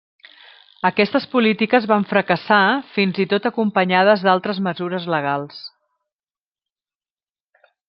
Aquestes polítiques van fracassar, fins i tot acompanyades d'altres mesures legals.